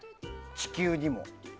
地球にも。